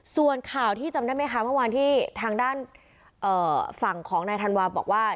ส่วนข่าวที่จำได้ไหมคะเมื่อวานที่ทางด้านฝั่งของนายธันวาบอกว่า